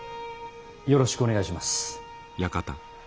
よろしくお願いします。